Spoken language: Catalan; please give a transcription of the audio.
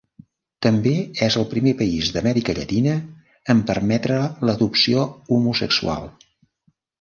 També és el primer país d'Amèrica Llatina en permetre l'adopció homosexual.